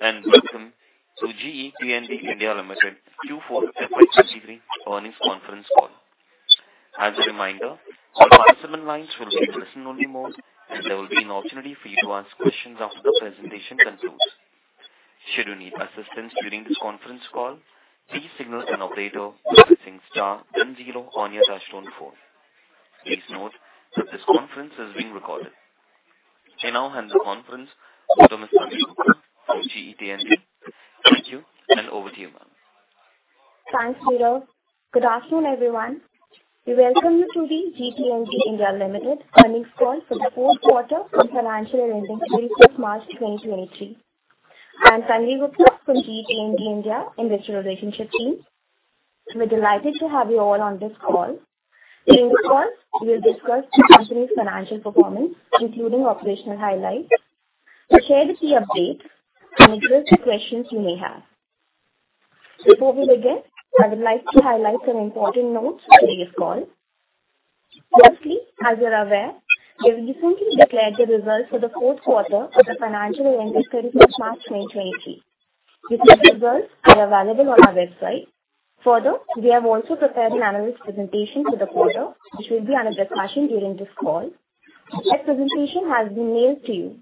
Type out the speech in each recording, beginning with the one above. Good day, and welcome to GE T&D India Limited Q4 FY 2023 earnings conference call. As a reminder, all participant lines will be in listen-only mode, and there will be an opportunity for you to ask questions after the presentation concludes. Should you need assistance during this conference call, please signal an operator by pressing star 10 on your touchtone phone. Please note that this conference is being recorded. I now hand the conference over to Ms. Tanvi Gupta from GE T&D. Thank you, and over to you, ma'am. Thanks, Nirof. Good afternoon, everyone. We welcome you to the GE T&D India Limited earnings call for the fourth quarter of the financial year ending 31st March, 2023. I'm Tanvi Gupta from GE T&D India Industrial Relationship team. We're delighted to have you all on this call. In this call, we'll discuss the company's financial performance, including operational highlights. We'll share the key updates and address the questions you may have. Before we begin, I would like to highlight some important notes for today's call. As you're aware, we recently declared the results for the fourth quarter of the financial year ending 31st March, 2023. The said results are available on our website. We have also prepared an analyst presentation for the quarter, which will be under discussion during this call. That presentation has been mailed to you.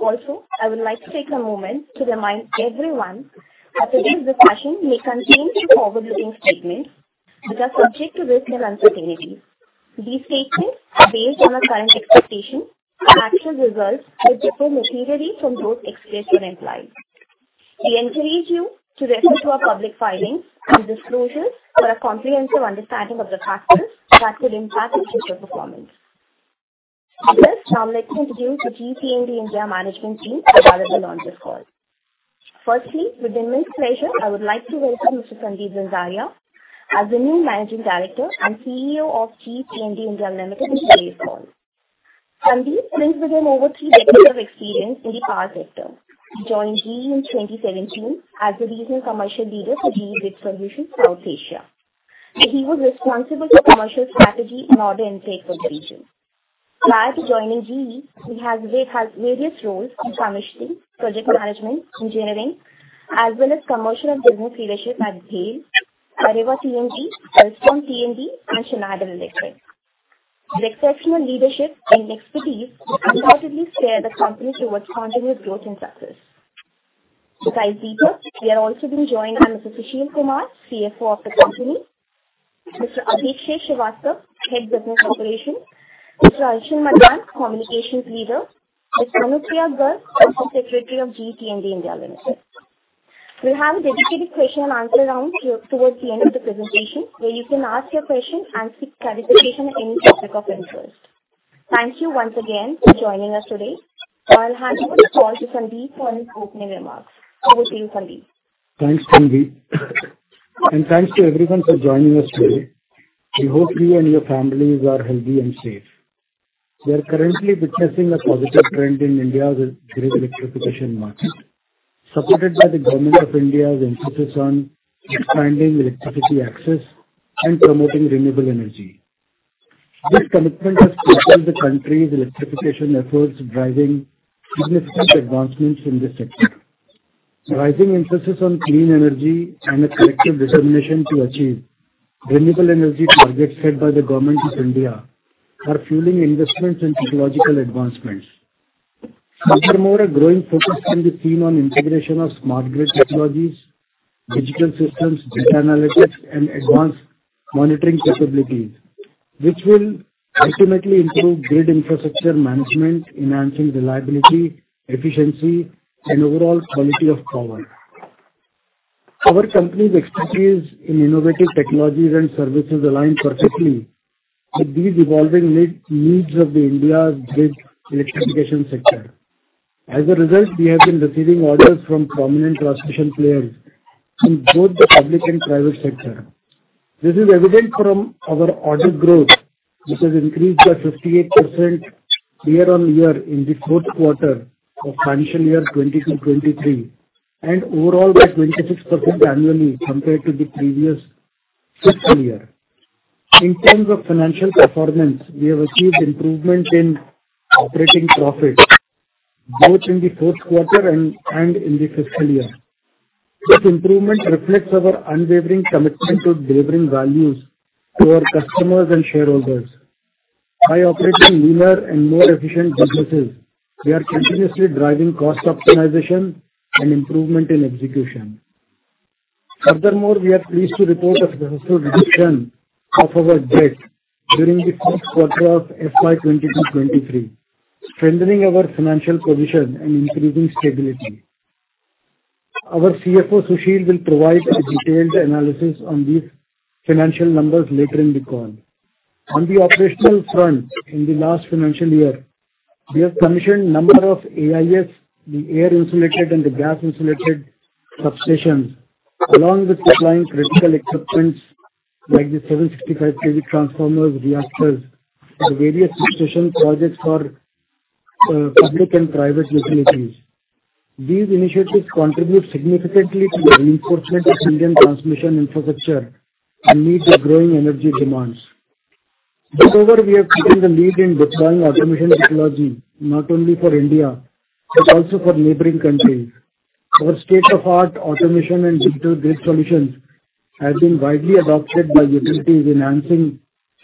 Also, I would like to take a moment to remind everyone that today's discussion may contain some forward-looking statements, which are subject to risk and uncertainty. These statements are based on our current expectations, but actual results could differ materially from those expressed or implied. We encourage you to refer to our public filings and disclosures for a comprehensive understanding of the factors that could impact the future performance. With this, now let me introduce the GE T&D India management team who are on this call. Firstly, with immense pleasure, I would like to welcome Mr. Sandeep Zanzaria as the new Managing Director and CEO of GE T&D India Limited to today's call. Sandeep brings with him over three decades of experience in the power sector. He joined GE in 2017 as the Regional Commercial Leader for GE Grid Solutions, South Asia. He was responsible for commercial strategy and order intake for the region. Prior to joining GE, he had various roles in commissioning, project management, engineering, as well as commercial and business leadership at BHEL, Areva T&D, Alstom T&D, and Schneider Electric. His exceptional leadership and expertise will undoubtedly steer the company towards continuous growth and success. To dive deeper, we are also being joined by Mr. Sushil Kumar, CFO of the company; Mr. Abhishek Srivastava, Head Business Operations; Mr. Sachin Madan, Communications Leader; Ms. Anupriya Garg, Company Secretary of GE T&D India Limited. We'll have a dedicated question and answer round towards the end of the presentation, where you can ask your question and seek clarification on any topic of interest. Thank you once again for joining us today. I'll hand over the call to Sandeep for his opening remarks. Over to you, Sandeep. Thanks, Tanvi, and thanks to everyone for joining us today. We hope you and your families are healthy and safe. We are currently witnessing a positive trend in India's grid electrification market, supported by the Government of India's emphasis on expanding electricity access and promoting renewable energy. This commitment has strengthened the country's electrification efforts, driving significant advancements in this sector. Rising emphasis on clean energy and a collective determination to achieve renewable energy targets set by the Government of India are fueling investments and technological advancements. Furthermore, a growing focus can be seen on integration of smart grid technologies, digital systems, data analytics, and advanced monitoring capabilities, which will ultimately improve grid infrastructure management, enhancing reliability, efficiency, and overall quality of power. Our company's expertise in innovative technologies and services align perfectly with these evolving needs of India's grid electrification sector. As a result, we have been receiving orders from prominent transmission players in both the public and private sector. This is evident from our order growth, which has increased by 58% year-on-year in the fourth quarter of financial year 2022-2023, and overall by 26% annually compared to the previous fiscal year. In terms of financial performance, we have achieved improvement in operating profit both in the fourth quarter and in the fiscal year. This improvement reflects our unwavering commitment to delivering values to our customers and shareholders. By operating leaner and more efficient businesses, we are continuously driving cost optimization and improvement in execution. We are pleased to report a substantial reduction of our debt during the fourth quarter of FY 2022-2023, strengthening our financial position and improving stability. Our CFO, Sushil, will provide a detailed analysis on these financial numbers later in the call. On the operational front, in the last financial year, we have commissioned a number of AIS, the air-insulated and the gas-insulated substations, along with supplying critical equipment like the 765 KV transformers, reactors, and various substation projects for public and private utilities. These initiatives contribute significantly to the reinforcement of Indian transmission infrastructure and meet the growing energy demands. Moreover, we are keeping the lead in deploying automation technology, not only for India, but also for neighboring countries. Our state-of-the-art automation and digital grid solutions has been widely adopted by utilities, enhancing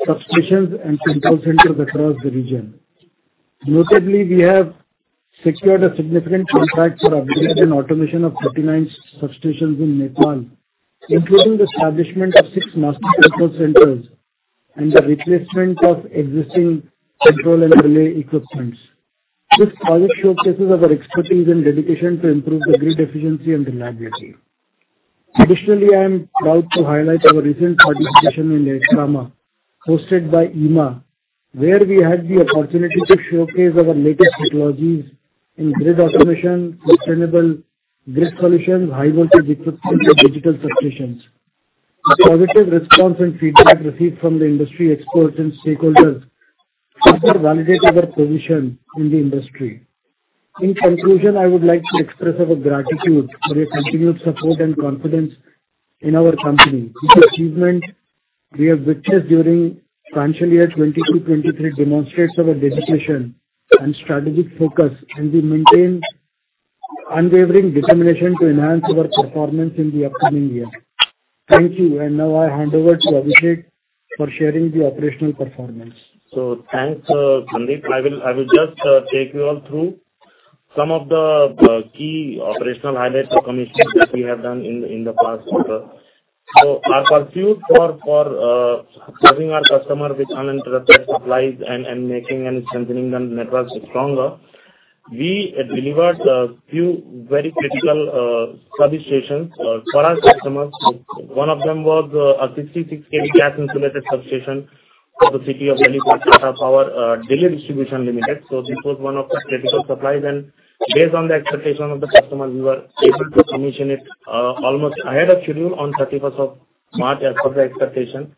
substations and control centers across the region. Notably, we have secured a significant contract for upgrade and automation of 39 substations in Nepal, including the establishment of 6 master control centers and the replacement of existing control and relay equipment. This project showcases our expertise and dedication to improve the grid efficiency and reliability. I am proud to highlight our recent participation in the ELECRAMA, hosted by IEEMA, where we had the opportunity to showcase our latest technologies in grid automation, sustainable grid solutions, high voltage equipments, and digital substations. The positive response and feedback received from the industry experts and stakeholders further validate our position in the industry. I would like to express our gratitude for your continued support and confidence in our company. This achievement we have witnessed during financial year 2022, 2023, demonstrates our dedication and strategic focus, and we maintain unwavering determination to enhance our performance in the upcoming year. Thank you. Now I hand over to Abhishek for sharing the operational performance. Thanks, Sandeep. I will just take you all through some of the key operational highlights of commission that we have done in the past quarter. Our pursuit for serving our customer with uninterrupted supplies and making and strengthening the networks stronger, we delivered a few very critical substations for our customers. One of them was a 66 KV Gas-Insulated Substation for the city of Delhi for Tata Power Delhi Distribution Limited. This was one of the critical supplies, and based on the expectation of the customer, we were able to commission it almost ahead of schedule, on 31st of March, as per the expectation.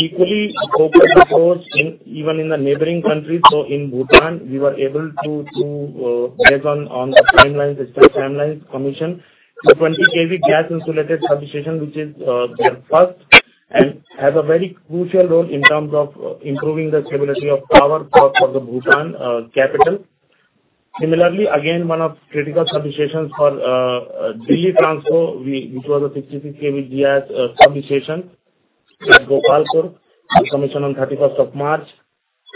Equally, focus was in even in the neighboring countries. In Bhutan, we were able to, based on the timelines, commission the 20 KV gas-insulated substation, which is their first and has a very crucial role in terms of improving the stability of power for the Bhutan capital. Similarly, again, one of critical substations for Delhi Transco, which was a 66 KV GIS substation at Gopalpur, was commissioned on 31st of March.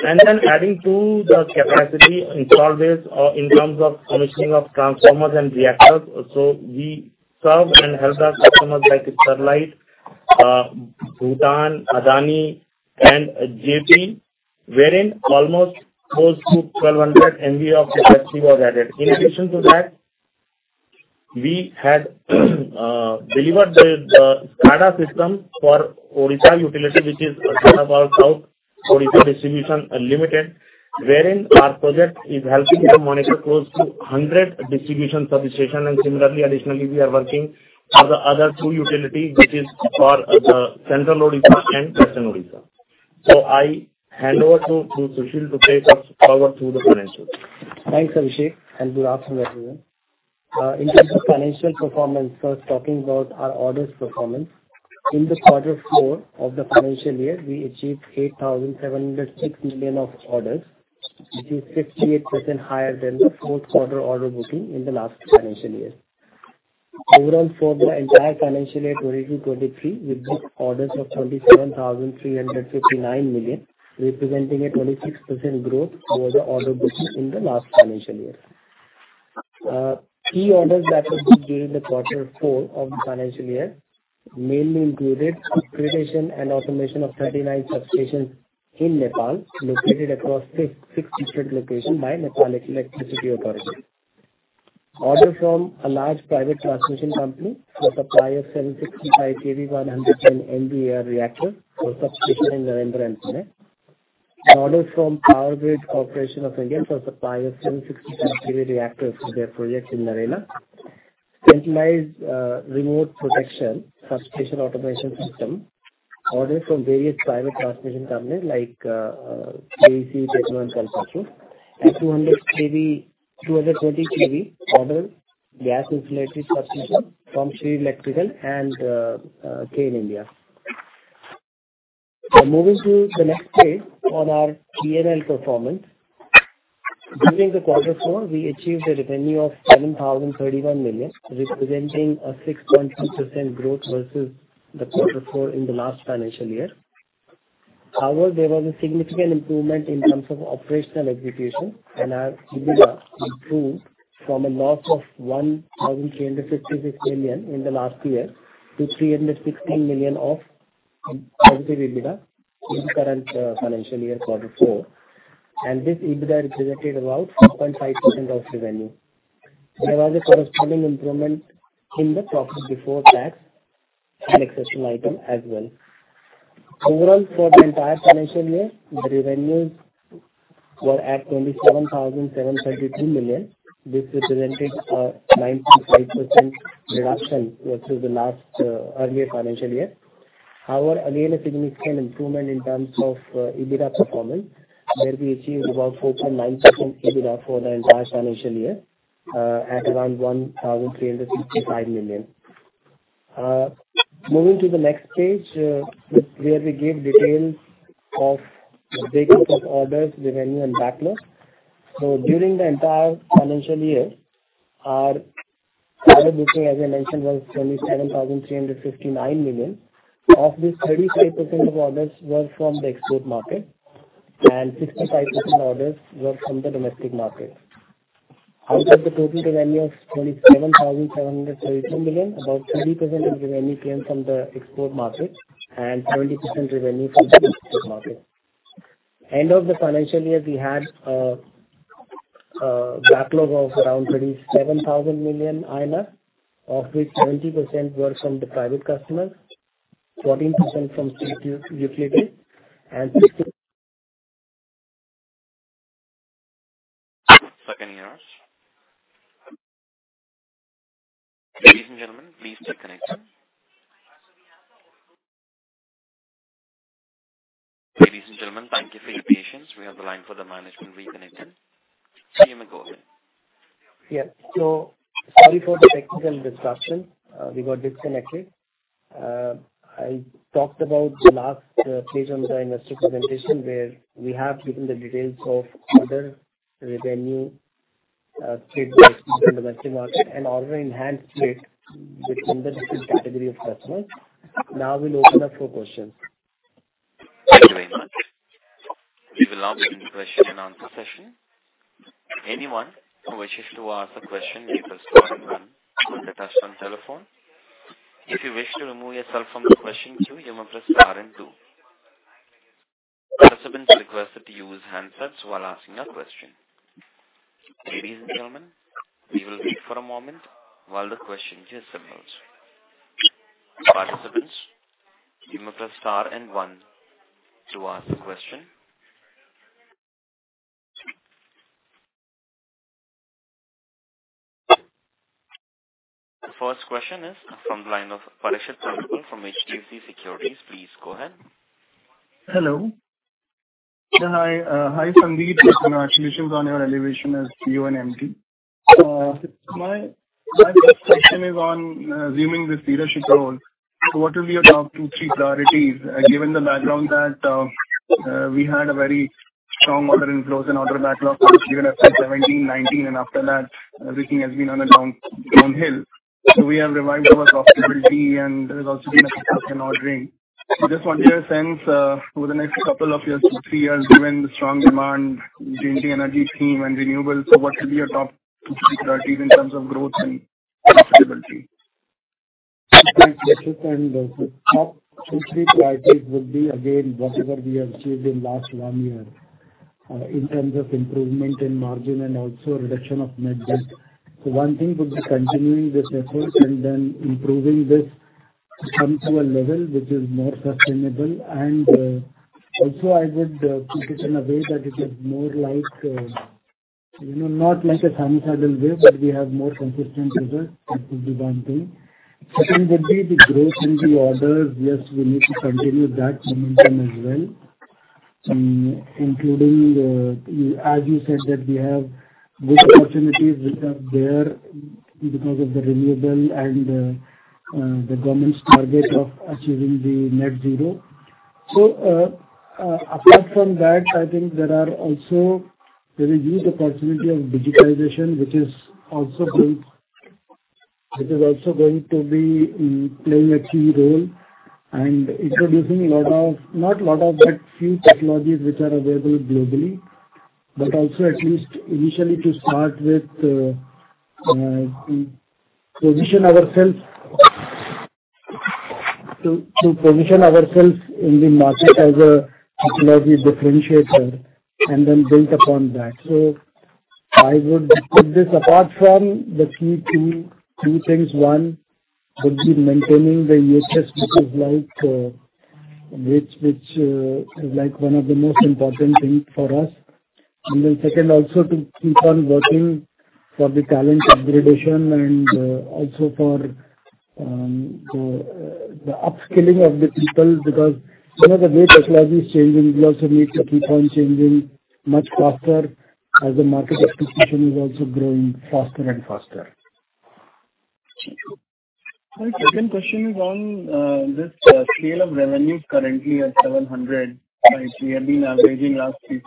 Adding to the capacity in service, in terms of commissioning of transformers and reactors. We serve and help our customers like Sterlite, Bhutan, Adani and JP, wherein almost close to 1,200 MVA of capacity was added. In addition to that, we had delivered the SCADA system for Odisha utility, which is Odisha Power South Odisha Distribution Limited, wherein our project is helping to monitor close to 100 distribution substation. Similarly, additionally, we are working on the other two utility, which is for the central Odisha and western Odisha. I hand over to Sushil to take us forward through the financials. Thanks, Abhishek. Good afternoon, everyone. In terms of financial performance, first, talking about our orders performance. In the quarter four of the financial year, we achieved 8,706 million of orders, which is 58% higher than the fourth quarter order booking in the last financial year. Overall, for the entire financial year 2022-2023, we booked orders of 27,359 million, representing a 26% growth over the order booking in the last financial year. Key orders that we gained in the quarter four of the financial year, mainly included upgradation and automation of 39 substations in Nepal, located across six different locations by Nepal Electricity Authority. Order from a large private transmission company to supply 765 KV, 100 MVA reactor for substation in Narela and Pune. An order from Power Grid Corporation of India to supply 765 KV reactors to their projects in Narela. Centralized remote protection, substation automation system, orders from various private transmission companies like AEC, Techman and Techno Electric, and 200 KV, 220 KV order, gas-insulated substation from Sree Electricals and KAN India. Moving to the next page on our PNL performance. During the quarter four, we achieved a revenue of 7,031 million, representing a 6.2% growth versus the quarter four in the last financial year. However, there was a significant improvement in terms of operational execution, and our EBITDA improved from a loss of 1,356 million in the last year to 316 million of positive EBITDA in current financial year, quarter four. This EBITDA represented about 4.5% of revenue. There was a corresponding improvement in the profit before tax and exceptional item as well. Overall, for the entire financial year, the revenues were at 27,732 million. This represented a 9.5% reduction versus the last earlier financial year. However, again, a significant improvement in terms of EBITDA performance, where we achieved about 4.9% EBITDA for the entire financial year, at around 1,365 million. moving to the next page, where we give details of the breakup of orders, revenue, and backlog. During the entire financial year, our order booking, as I mentioned, was 27,359 million. Of which, 35% of orders were from the export market, and 65% orders were from the domestic market. Out of the total revenue of 27,732 million, about 30% of revenue came from the export market and 70% revenue from the domestic market. End of the financial year, we had a backlog of around 27,000 million INR, of which 20% were from the private customers, 14% from state utility. One second here. Ladies and gentlemen, please stay connected. Ladies and gentlemen, thank you for your patience. We have the line for the management reconnected. You may go ahead. Yes. Sorry for the technical disruption. We got disconnected. I talked about the last page on the investor presentation, where we have given the details of order, revenue, domestic market and order enhanced it within the different category of customers. We'll open up for questions. Thank you very much. We will now begin the question and answer session. Anyone who wishes to ask a question, please press star and 1 on the touchtone telephone. If you wish to remove yourself from the question queue, you may press star and 2. Participants are requested to use handsets while asking a question. Ladies and gentlemen, we will wait for a moment while the question queue assembles. Participants, you may press star and 1 to ask a question. The first question is from the line of Parikshit from HDFC Securities. Please go ahead. Hello. Hi, Sandeep. Congratulations on your elevation as CEO and MD. My first question is on assuming this leadership role, what will be your top two, three priorities given the background that we had a very strong order inflows and order backlog given at 2017, 2019, and after that, everything has been on a downhill. We have revived our profitability and there's also been a reduction in ordering. I just want your sense over the next couple of years, three years, given the strong demand, changing energy scheme and renewables, what will be your top two, three priorities in terms of growth and profitability? Thank you. The top two, three priorities would be, again, whatever we have achieved in last one year, in terms of improvement in margin and also reduction of net debt. One thing would be continuing this effort and then improving this to come to a level which is more sustainable. Also I would keep it in a way that it is more like, you know, not like a sinusoidal wave, but we have more consistent results. That would be one thing. Second, would be the growth in the orders. Yes, we need to continue that momentum as well. Including the, as you said, that we have good opportunities which are there because of the renewable and the government's target of achieving the net zero. Apart from that, I think there are also, there is huge opportunity of digitalization, which is also going to be playing a key role and introducing a lot of, not a lot of, but few technologies which are available globally. At least initially to start with, to position ourselves in the market as a technology differentiator and then build upon that. I would put this apart from the few two things. One, would be maintaining the US, which is like one of the most important thing for us. Second, also to keep on working for the talent upgradation and also for the upskilling of the people, because some of the way technology is changing, we also need to keep on changing much faster as the market expectation is also growing faster and faster. My second question is on this scale of revenue currently at 700, right? We have been averaging last three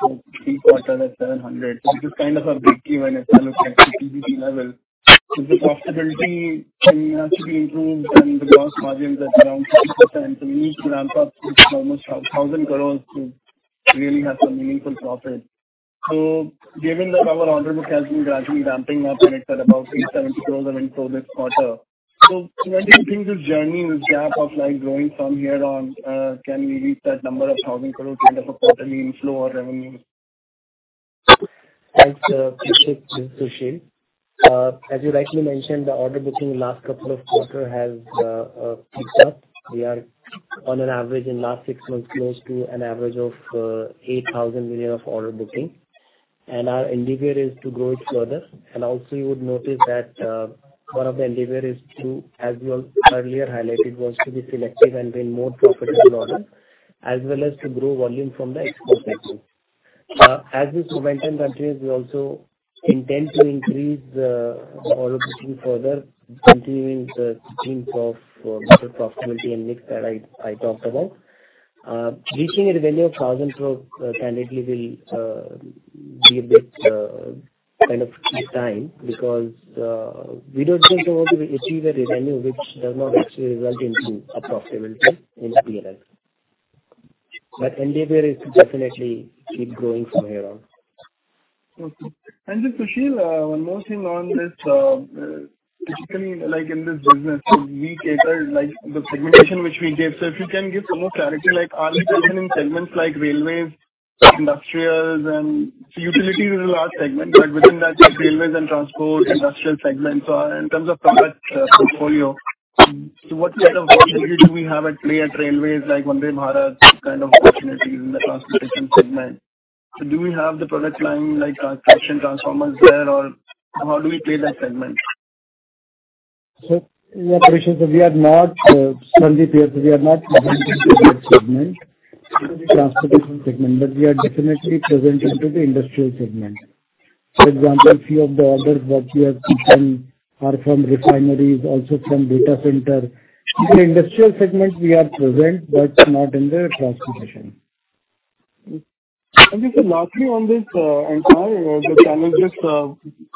quarters at 700, which is kind of a break even if you look at EBITDA level. This profitability has to be improved and the gross margins at around 50%. We need to ramp up to almost 1,000 crores to really have some meaningful profit. Given that our order book has been gradually ramping up and it's at about INR 6 crores-INR 7 crores of inflow this quarter. When do you think this journey, this gap of like growing from here on, can we reach that number of 1,000 crores kind of a quarterly inflow or revenue? Thanks, Parikshit. As you rightly mentioned, the order booking last couple of quarter has picked up. We are on an average in last six months, close to an average of 8,000 million of order booking, and our endeavor is to grow it further. Also you would notice that one of the endeavor is to, as we earlier highlighted, was to be selective and win more profitable orders, as well as to grow volume from the export sector. Uh, as this momentum continues, we also intend to increase the order booking further, continuing the themes of better profitability and mix that I, I talked about. Uh, reaching a revenue of thousand crores, uh, candidly will, uh, be a bit, uh, kind of key time, because, uh, we don't just want to achieve a revenue which does not actually result into profitability in PNL. But endeavor is to definitely keep growing from here on. Okay. Just, Sushil, one more thing on this, typically, like, in this business, we cater, like, the segmentation which we give? If you can give some more clarity, like, are we present in segments like railways, industrials, and... Utility is a large segment, but within that, like, railways and transport, industrial segments are in terms of product, portfolio. What kind of opportunity do we have at play at railways, like Vande Bharat, kind of opportunities in the transportation segment? Do we have the product line, like, traction transformers there, or how do we play that segment? Yeah, Parikshit, so we are not currently we are not present in segment, in the transportation segment, but we are definitely present into the industrial segment. For example, few of the orders that we have taken are from refineries, also from data center. In the industrial segment, we are present, but not in the transportation. Just lastly on this, entire, the panel, just,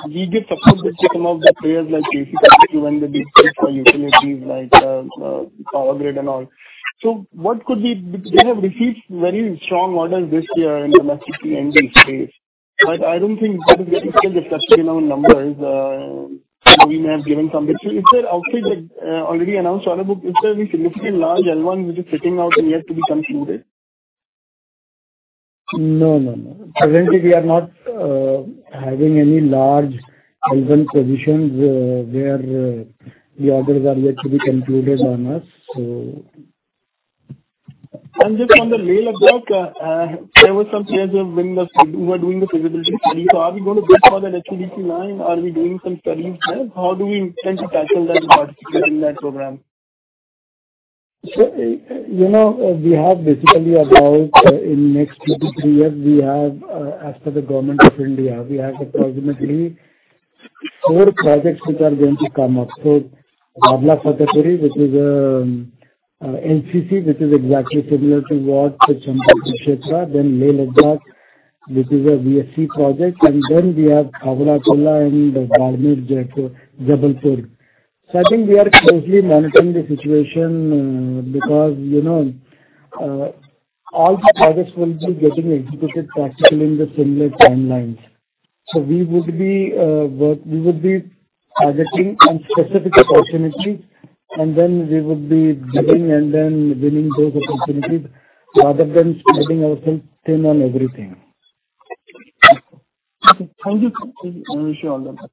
we get a good share of the players, like, basically when they bid for utilities like, Power Grid and all. What could be? They have received very strong orders this year in the HVDC space. I don't think that is getting reflected in our numbers. We may have given some. Is there outreach that already announced or about, is there any significantly large L1 which is sitting out and yet to be concluded? No, no. Currently, we are not having any large L1 positions where the orders are yet to be concluded on us, so. Just on the Leh-Ladakh, there were some players who are doing the feasibility study. Are we going to bid for that HVDC line? Are we doing some studies there? How do we intend to tackle that and participate in that program? You know, we have basically about, in next two to three years, we have, as per the Government of India, we have approximately four projects which are going to come up. Khavda, which is LCC, which is exactly similar to what Champa-Kurukshetra. Leh-Ladakh, which is a VSC project, and then we have Khavda-Bhuj and Gwalior-Jabalpur. I think we are closely monitoring the situation, because, you know, all the projects will be getting executed practically in the similar timelines. We would be targeting on specific opportunities, and then we would be bidding and then winning those opportunities, rather than spreading ourselves thin on everything. Okay. Thank you. I wish you all the best.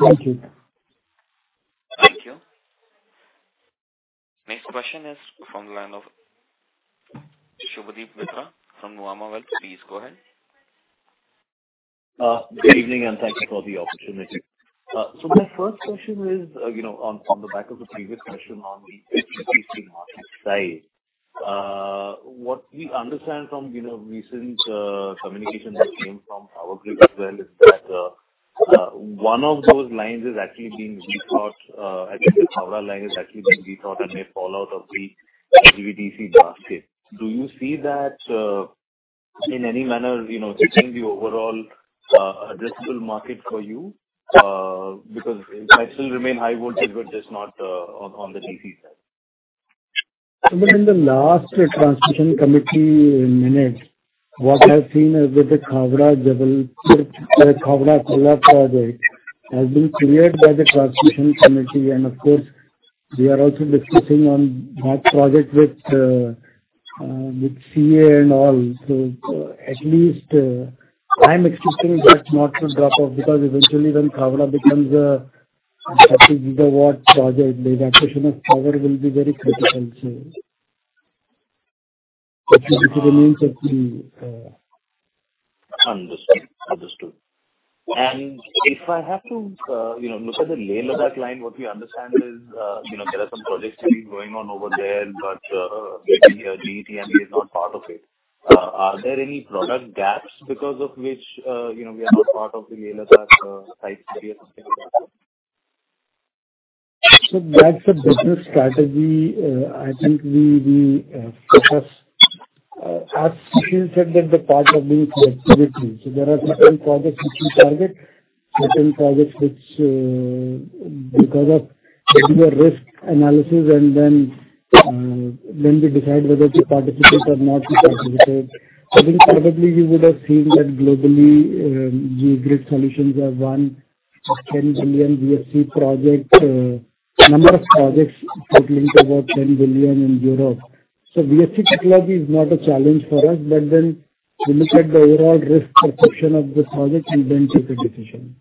Thank you. Thank you. Next question is from the line of Subhadip Mitra from Nuvama Wealth. Please go ahead. Good evening, and thank you for the opportunity. My first question is, you know, on the back of the previous question on the HVDC market side. What we understand from, you know, recent communications that came from Power Grid as well, is that one of those lines is actually being rethought, I think the Khavda line is actually being rethought and may fall out of the HVDC market. Do you see that in any manner, you know, changing the overall addressable market for you? I still remain high voltage, but just not on the DC side. In the last Transmission Committee minutes, what I've seen is with the Khavda-Jabalpur, Khavda-Kulla project, has been cleared by the Transmission Committee, and of course, we are also discussing on that project with CEA and all. At least, I'm expecting that not to drop off, because eventually when Khavda becomes a 30 gigawatt project, the evacuation of power will be very critical. It remains to be… Understood. Understood. If I have to, you know, look at the Leh-Ladakh line, what we understand is, you know, there are some project studies going on over there, but DGTME is not part of it. Are there any product gaps because of which, you know, we are not part of the Leh-Ladakh, site study or something like that? That's a business strategy. I think we focus as Sushil said, that the part of the activity. There are certain projects which we target, certain projects which because of newer risk analysis and then we decide whether to participate or not to participate. I think probably you would have seen that globally, GE Grid Solutions have won $10 billion VSC project, number of projects totaling about $10 billion in Europe. VSC technology is not a challenge for us, but then we look at the overall risk perception of the project, we then take a decision.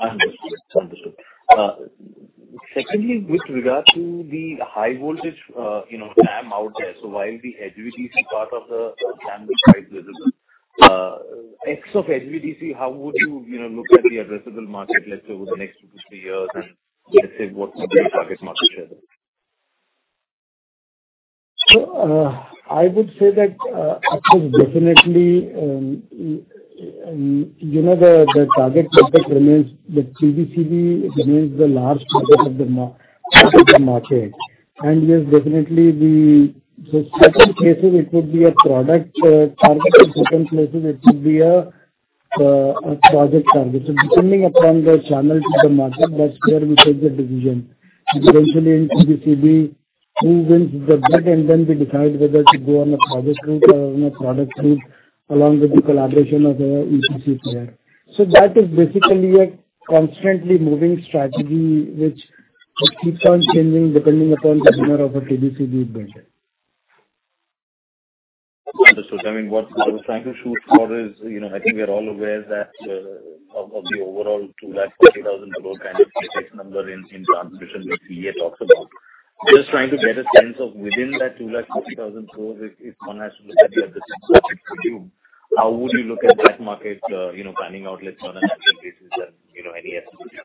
Understood. Understood. Secondly, with regard to the high voltage, you know, jam out there, while the HVDC part of the jam X of HVDC, how would you know, look at the addressable market, let's say, over the next 2-3 years, and let's say, what would be the target market share? I would say that actually definitely, you know, the target market remains the PGCIL remains the large part of the market. There's definitely the, so certain cases it could be a product target, or certain places it could be a project target. Depending upon the channel to the market, that's where we take the decision. Especially in PGCIL, who wins the bid, we decide whether to go on a project route or on a product route, along with the collaboration of our EPC partner. That is basically a constantly moving strategy, which keeps on changing depending upon the winner of a PGCIL bid. Understood. I mean, what I was trying to shoot for is, you know, I think we are all aware that of the overall 2,40,000 crore kind of CapEx number in transmission that CA talks about. Just trying to get a sense of within that 2,40,000 crores, if one has to look at the addressable market for you, how would you look at that market, you know, panning out, let's say, on an annual basis and, you know, any estimates?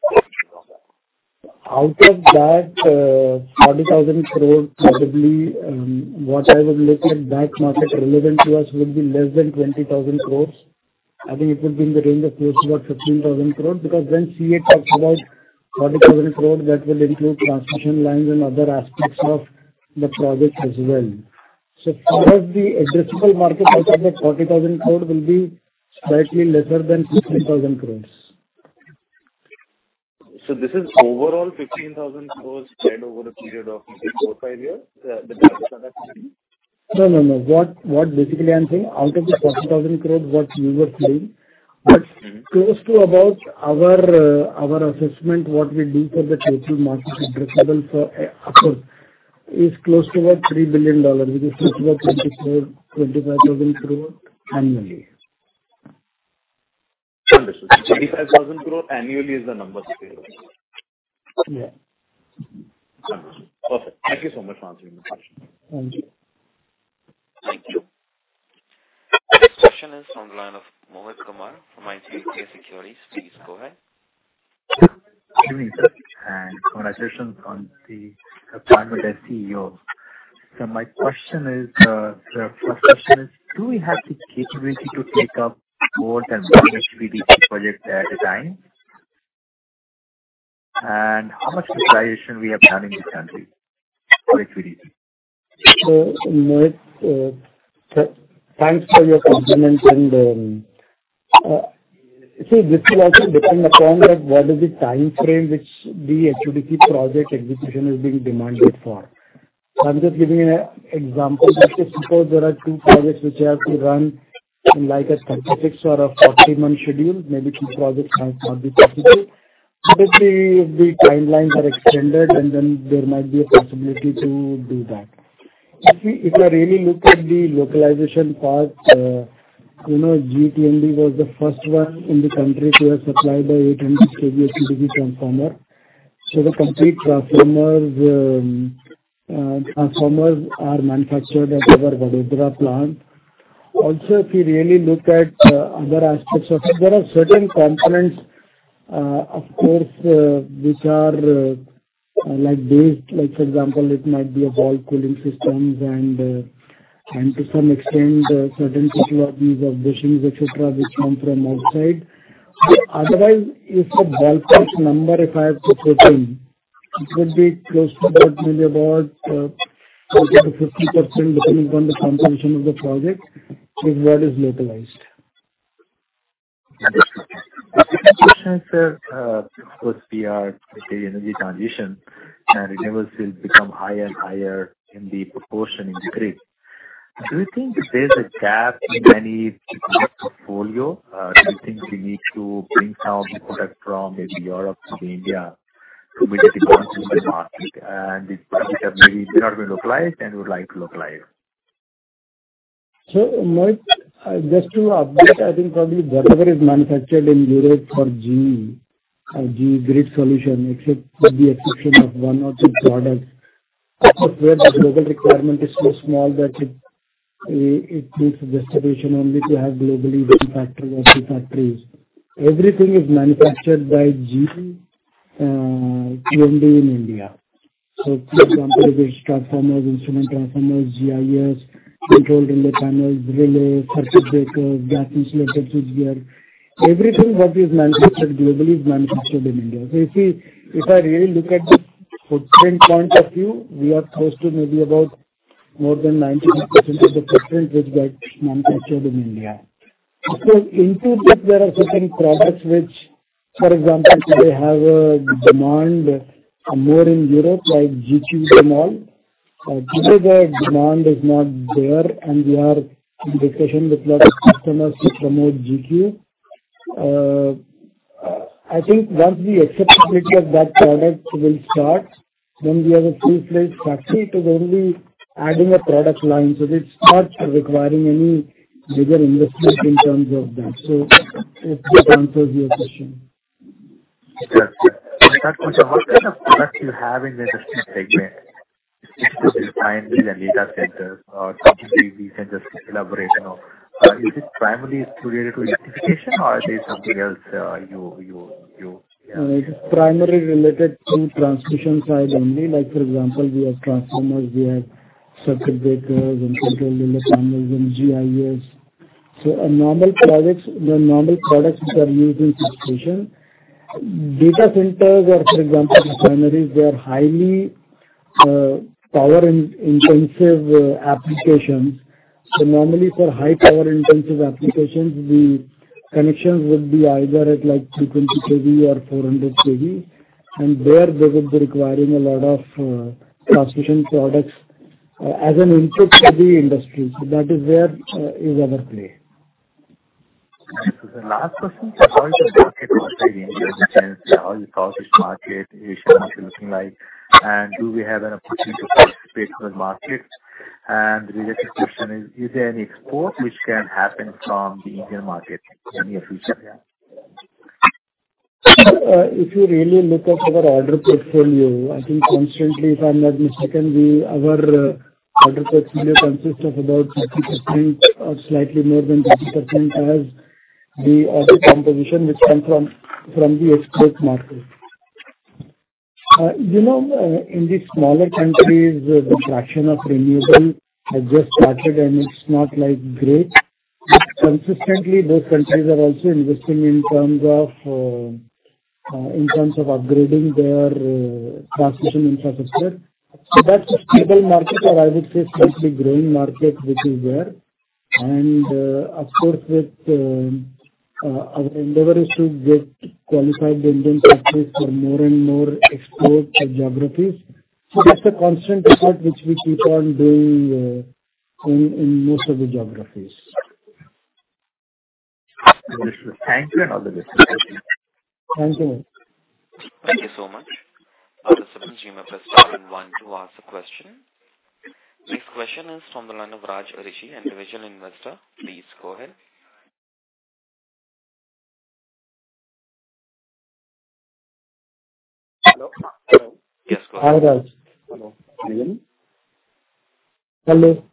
Out of that, 40,000 crores, probably, what I would look at that market relevant to us would be less than 20,000 crores. I think it would be in the range of close to about 15,000 crores, because when CA talks about 40,000 crores, that will include transmission lines and other aspects of the project as well. So far, the addressable market out of the 40,000 crores will be slightly lesser than 15,000 crores. This is overall 15,000 crores spread over a period of four, five years, the target? No, no. What basically I'm saying, out of the 40,000 crores, what you are saying, that's close to about our assessment, what we do for the total market addressable for, of course, is close to about $3 billion, which is close to about 24,000-25,000 crores annually. Understood. 25,000 crore annually is the number? Yeah. Understood. Perfect. Thank you so much for answering the question. Thank you. Thank you. The next question is on the line of Mohit Kumar from ICICI Securities. Please go ahead. Good evening, sir, and congratulations on the appointment as CEO. My question is, the first question is: Do we have the capability to take up more than 1 HVDC project at a time? And how much supply should we have done in this country for HVDC? Mohit, thanks for your compliment and, see, this will also depend upon that what is the time frame which the HVDC project execution is being demanded for. I'm just giving an example that suppose there are two projects which I have to run in like a 36 or a 48 month schedule, maybe two projects might not be possible. Typically, if the timelines are extended, and then there might be a possibility to do that. If we, if you really look at the localization part, you know, GE T&D was the first one in the country to have supplied a 800 KV HVDC transformer. The complete transformers are manufactured at our Vadodara plant. Also, if you really look at, other aspects of it, there are certain components, of course, which are, like based... Like, for example, it might be a ball cooling systems and to some extent, certain technologies of bushings, etc., which come from outside. Otherwise, if a ballpark number, if I have to quote in, it would be close to about maybe about 40%-50%, depending on the composition of the project, which what is localized. Understood. The second question, sir, of course, we are energy transition, and renewables will become higher and higher in the proportion in grid. Do you think there's a gap in any portfolio? Do you think we need to bring some product from maybe Europe to India to meet the requirements in the market, and which are maybe not been localized and would like to localize? Mohit, just to update, I think probably whatever is manufactured in Europe for GE, or GE Grid Solutions, except for the exception of one or two products, where the global requirement is so small that it needs distribution only to have globally one factory or two factories. Everything is manufactured by GE T&D in India. For example, if it's transformers, instrument transformers, GIS, control relay panels, relays, circuit breakers, Gas-Insulated Switchgear, everything what is manufactured globally is manufactured in India. If I really look at the footprint point of view, we are close to maybe about more than 98% of the footprint which gets manufactured in India. In future, there are certain products which, for example, today have a demand more in Europe, like GQ small. Today the demand is not there, and we are in discussion with lot of customers to promote g³. I think once the acceptability of that product will start, we have a free flow factory. It is only adding a product line, so it's not requiring any bigger investment in terms of that. If that answers your question.... What kind of products you have in the segment? Data centers or centers, collaboration or, is it primarily related to electrification or is there something else, you- It is primarily related to transmission side only. Like, for example, we have transformers, we have circuit breakers and control panels and GIS. The normal products which are used in substation. Data centers or, for example, refineries, they are highly power-intensive applications. Normally, for high power-intensive applications, the connections would be either at, like, 300 KV or 400 KV, and there they would be requiring a lot of transmission products as an input to the industry. That is where is our play. The last question, how is the market outside India, in terms of how is the market, Asian market looking like? Do we have an opportunity to participate in those markets? The related question is: Is there any export which can happen from the Indian market in near future? If you really look at our order portfolio, I think constantly, if I'm not mistaken, Our order portfolio consists of about 50% or slightly more than 50%, as the order composition, which comes from the export market. You know, in the smaller countries, the fraction of renewable has just started, and it's not, like, great. Consistently, those countries are also investing in terms of upgrading their transmission infrastructure. That's a stable market, or I would say, slightly growing market, which is there. Of course, with our endeavor is to get qualified Indian parties for more and more export geographies. That's a constant effort which we keep on doing in most of the geographies. Thank you, and all the best. Thank you. Thank you so much. Other members are in line to ask a question. Next question is from the line of Raj Rishi and Division Investor. Please go ahead. Hello? Hello. Yes. Hello. Hello. Can you hear me? Hello.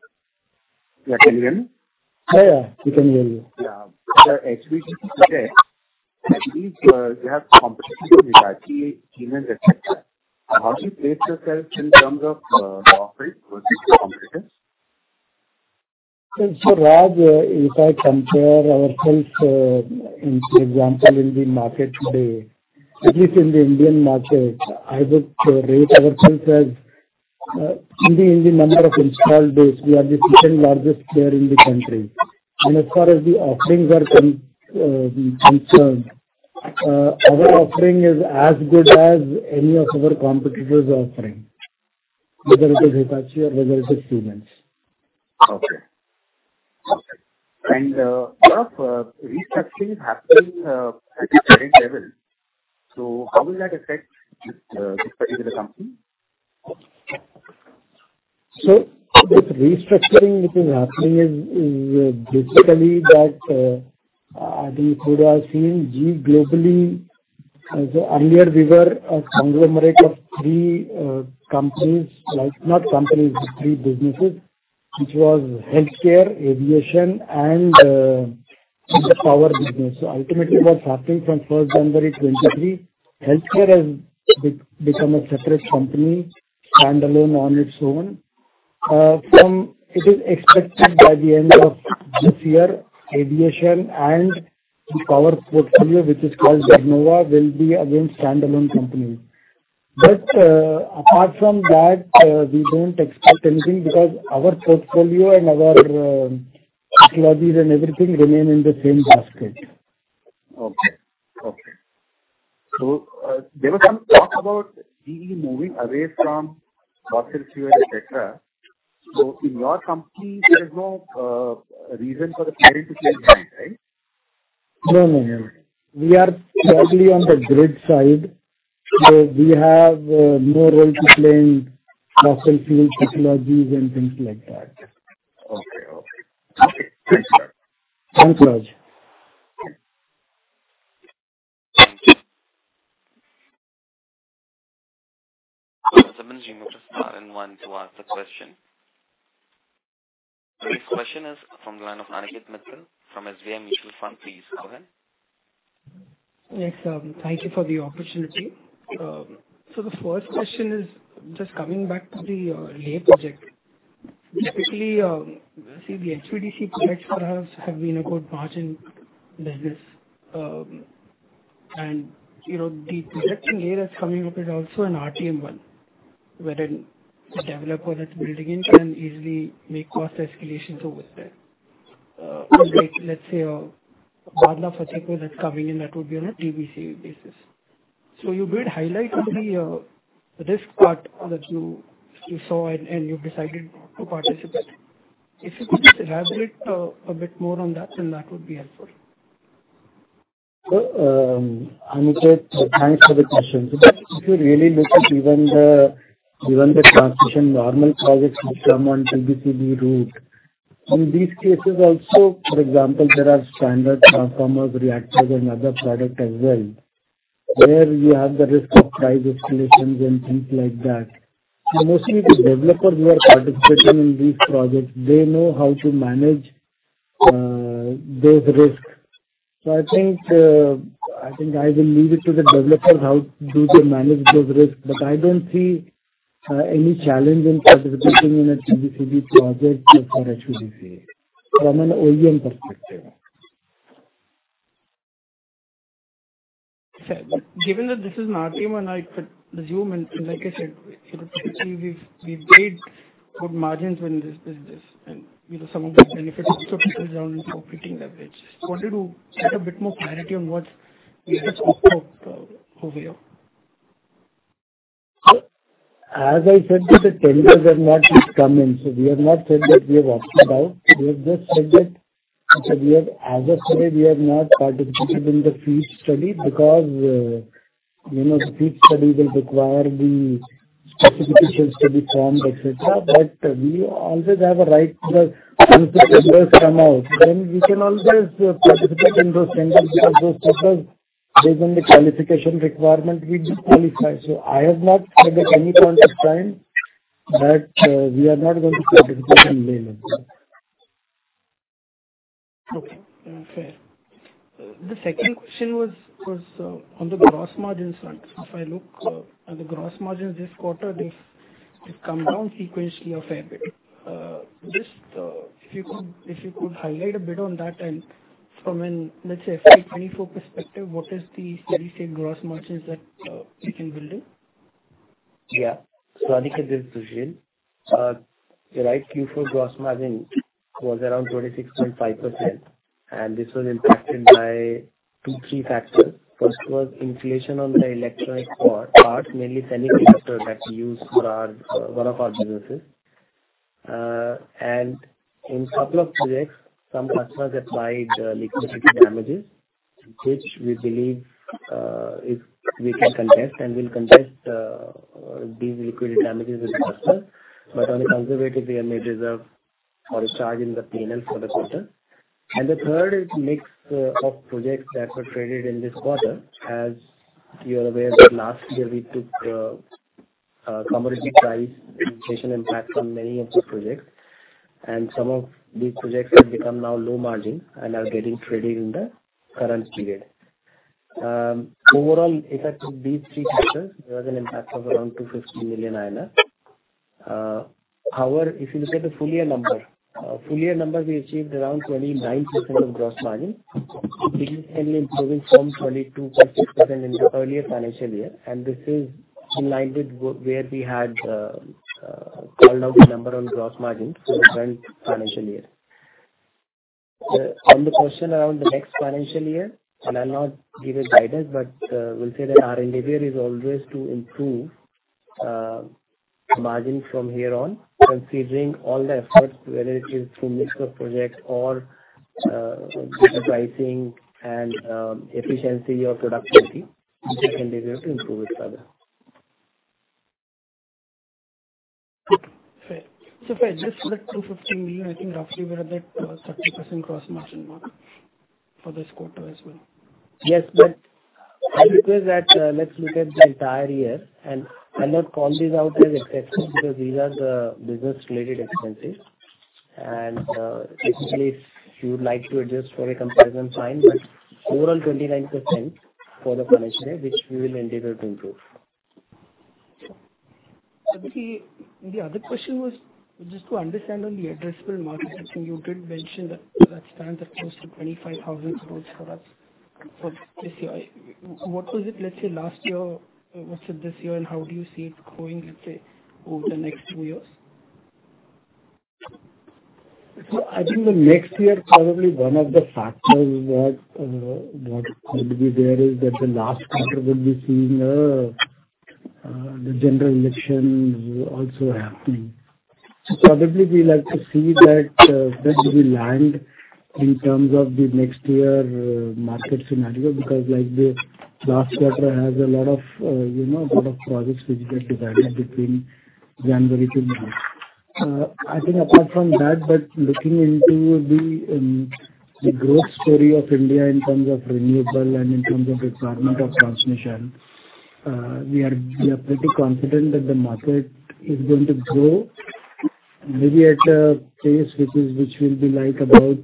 Yeah, can you hear me? Yeah, yeah, we can hear you. Yeah. The HVDC today, I believe, you have competition with Hitachi, Siemens, etc. How do you place yourself in terms of profit with these competitors? Raj, if I compare ourselves, in, for example, in the market today, at least in the Indian market, I would rate ourselves as, in the, in the number of installed base, we are the second largest player in the country. As far as the offerings are concerned, our offering is as good as any of our competitors' offering, whether it is Hitachi or whether it is Siemens. Okay. Okay. Lot of restructuring is happening at the current level. How will that affect this particular company? This restructuring, which is happening, is basically that, I think you would have seen GE globally. Earlier, we were a conglomerate of three companies, like, not companies, but three businesses, which was healthcare, aviation, and the power business. Ultimately, what's happening from 1st January 2023, healthcare has become a separate company, standalone on its own. It is expected by the end of this year, aviation and the power portfolio, which is called Vernova, will be again standalone company. But apart from that, we don't expect anything, because our portfolio and our technologies and everything remain in the same basket. Okay. Okay. There was some talk about GE moving away from fossil fuel, etc. In your company, there is no reason for the party to change hands, right? No, no. We are totally on the grid side, so we have no role to play in fossil fuel technologies and things like that. Okay, okay. Okay, thanks, sir. Thanks, Raj. Thank you. The next member in line to ask a question. This question is from the line of Aniket Mittal from SBI Mutual Fund. Please go ahead. Yes, thank you for the opportunity. The first question is just coming back to the lay project. Typically, see, the HVDC projects for us have been a good margin business. You know, the projects in area is coming up is also an RTM one, where the developer that's building it can easily make cost escalations over there. Let's say, Bhadla project that's coming in, that would be on a TBC basis. You would highlight the risk part that you saw and you decided not to participate. If you could elaborate a bit more on that, then that would be helpful. Aniket, thanks for the question. If you really look at even the transition, normal projects which come on TBCB route. In these cases also, for example, there are standard transformers, reactors, and other products as well, where we have the risk of price escalations and things like that. Mostly the developers who are participating in these projects, they know how to manage those risks. I think I will leave it to the developers, how do they manage those risks, but I don't see any challenge in participating in a TBCB project for HVDC from an OEM perspective. Fair. Given that this is our team and I could assume, and like I said, you know, actually, we've made good margins in this business, and, you know, some of the benefits also trickles down into operating leverage. Just wanted to get a bit more clarity on what's the approach over here. As I said, that the tenders have not yet come in, so we have not said that we have opted out. We have just said that, as of today, we have not participated in the FEED study because, you know, the FEED study will require the specifications to be formed, et cetera. We always have a right to the once the tenders come out, then we can always participate in those tenders, because those tenders, based on the qualification requirement, we just qualify. I have not said at any point of time that we are not going to participate in melee. Okay, fair. The second question was on the gross margin front. If I look at the gross margin this quarter, they've come down sequentially a fair bit. Just if you could highlight a bit on that and from an, let's say, FY 2024 perspective, what is the steady state gross margins that you can build in? Yeah. Aniket, this is Sushil You're right, Q4 gross margin was around 26.5%, this was impacted by 2, 3 factors. First was inflation on the electronic part, mainly semiconductor that we use for our one of our businesses. In couple of projects, some customers applied liquidity damages, which we believe, if we can contest, and we'll contest these liquidity damages with the customer. On a conservative, we have made reserve or a charge in the PNL for the quarter. The third is mix of projects that were traded in this quarter. As you're aware that last year we took commodity price inflation impact on many of these projects, and some of these projects have become now low margin and are getting traded in the current period. Overall, impact of these three factors, there was an impact of around 250 million INR. However, if you look at the full year number, full year numbers, we achieved around 29% of gross margin, which is mainly improving from 22.6% in the earlier financial year. This is in line with where we had called out the number on gross margin for the current financial year. On the question around the next financial year, and I'll not give a guidance, but we'll say that our endeavor is always to improve margin from here on, considering all the efforts, whether it is through mix of projects or pricing and efficiency or productivity, we are endeavor to improve it further. Fair. If I just look 215 million, I think roughly we're a bit 30% gross margin mark for this quarter as well. Yes, but I request that, let's look at the entire year, and I'll not call these out as expenses, because these are the business-related expenses. Basically, if you would like to adjust for a comparison sign, but overall 29% for the financial year, which we will endeavor to improve. The other question was just to understand on the addressable market, which you did mention, that stands up close to 25,000 crores for us for this year. What was it, let's say, last year, versus this year, and how do you see it growing, let's say, over the next two years? I think the next year, probably one of the factors that what could be there is that the last quarter will be seeing the general election also happening. Probably we like to see that where do we land in terms of the next year market scenario, because, like, the last quarter has a lot of, you know, lot of projects which get evaluated between January to March. I think apart from that, but looking into the growth story of India in terms of renewable and in terms of requirement of transmission, we are pretty confident that the market is going to grow maybe at a pace which is, which will be like about,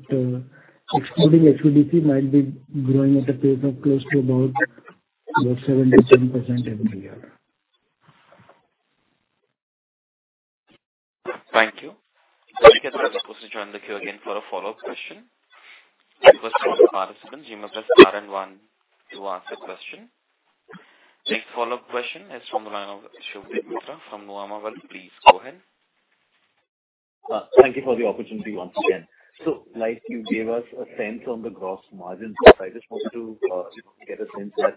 excluding HVDC, might be growing at a pace of close to about 7%-10% every year. Thank you. You can join the queue again for a follow-up question. Next follow-up question is from, please go ahead. Thank you for the opportunity once again. Like you gave us a sense on the gross margin, I just wanted to get a sense that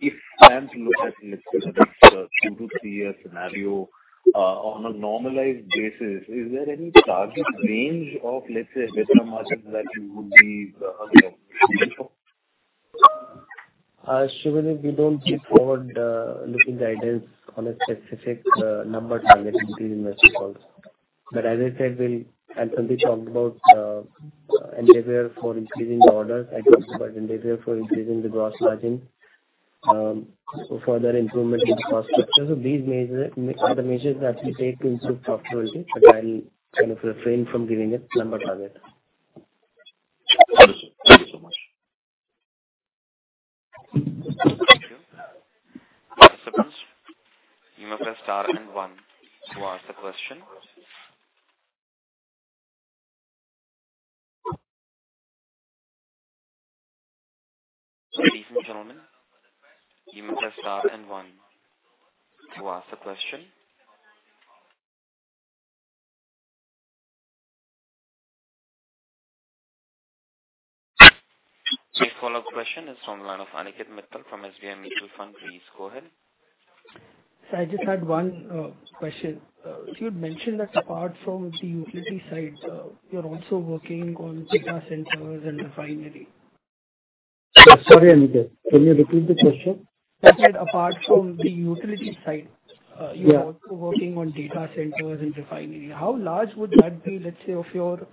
if I am to look at, let's say, the next two to three-year scenario, on a normalized basis, is there any target range of, let's say, gross margin that you would be looking at? Shivanand, we don't look forward looking guidance on a specific number target increase in the results. As I said, and Sandeep talked about endeavor for increasing the orders and also about endeavor for increasing the gross margin, so further improvement in the cost structure. These measure, are the measures that we take to improve profitability, but I'll kind of refrain from giving a number target. Thank you. Thank you so much. Thank you. You may press star and one to ask the question. Ladies and gentlemen, you may press star and one to ask a question. The follow-up question is from the line of Aniket Mittal from SBI Mutual Fund. Please go ahead. Sir, I just had one question. You had mentioned that apart from the utility side, you're also working on data centers and refinery. Sorry, Aniket, can you repeat the question? That apart from the utility side. Yeah. You're also working on data centers and refinery. How large would that be, let's say, of your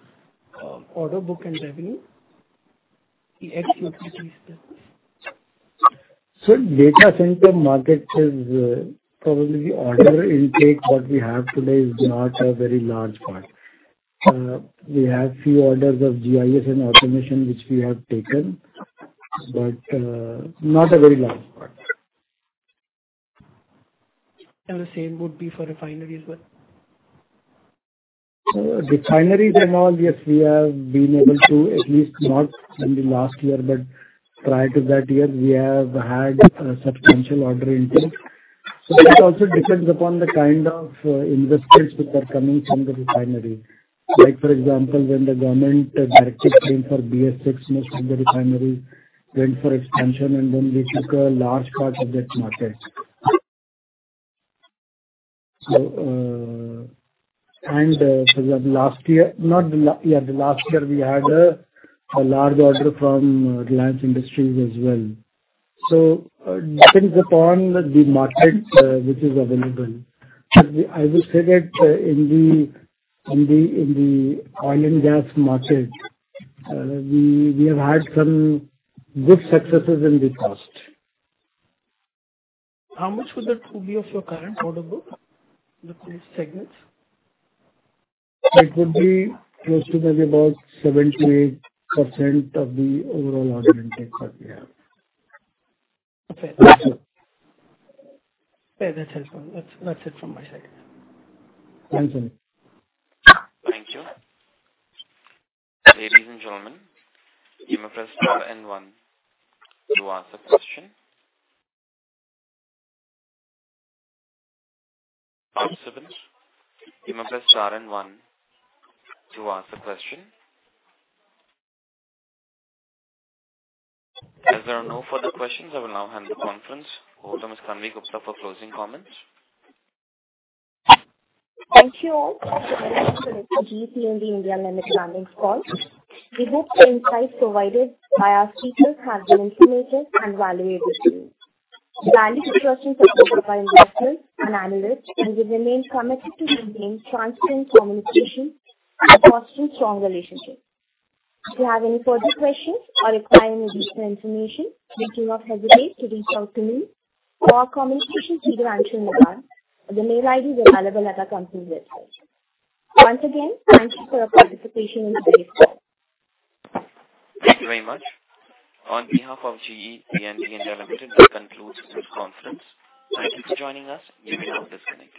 order book and revenue in ex-utilities? Data center market is, probably the order intake that we have today is not a very large part. We have few orders of GIS and automation, which we have taken, but not a very large part. The same would be for refinery as well? Refineries and all, yes, we have been able to at least not in the last year, but prior to that year, we have had a substantial order intake. That also depends upon the kind of investments which are coming from the refinery. Like, for example, when the government directed for BS-VI, most of the refineries went for expansion, we took a large part of that market. For the last year, the last year we had a large order from Reliance Industries as well. Depends upon the market which is available. I will say that in the, in the, in the oil and gas market, we have had some good successes in the past. How much would that be of your current order book in those segments? It would be close to maybe about 7%-8% of the overall order intake that we have. Okay. Yeah, that's helpful. That's it from my side. Thanks, Aniket. Thank you. Ladies and gentlemen, you may press star and one to ask a question. Bob Simmons, you may press star and one to ask a question. As there are no further questions, I will now hand the conference over to Ms. Tanvi Gupta for closing comments. Thank you all for attending the GE Vernova T&D India Limited earnings call. We hope the insights provided by our speakers have been informative and valuable to you. We value the trust and support of our investors and analysts, and we remain committed to maintaining transparent communication and fostering strong relationships. If you have any further questions or require any additional information, please do not hesitate to reach out to me or our Communications Leader, Anshul Madaan. The mail ID is available at our company website. Once again, thank you for your participation in today's call. Thank you very much. On behalf of GE T&D India Limited, this concludes this conference. Thank you for joining us. You may now disconnect.